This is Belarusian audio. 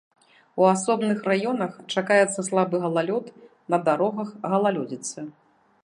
У асобных раёнах чакаецца слабы галалёд, на дарогах галалёдзіца.